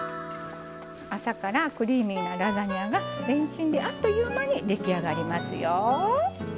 朝からクリーミーなラザニアがレンチンであっという間に出来上がりますよ。